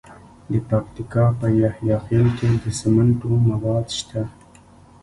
د پکتیکا په یحیی خیل کې د سمنټو مواد شته.